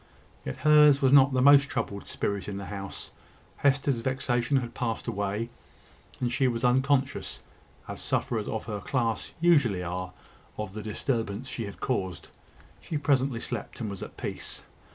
Yet hers was not the most troubled spirit in the house. Hester's vexation had passed away, and she was unconscious, as sufferers of her class usually are, of the disturbance she had caused. She presently slept and was at peace.